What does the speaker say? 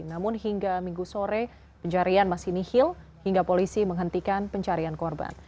namun hingga minggu sore pencarian masih nihil hingga polisi menghentikan pencarian korban